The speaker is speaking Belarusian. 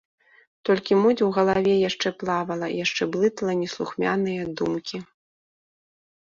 Толькі муць у галаве яшчэ плавала, яшчэ блытала неслухмяныя думкі.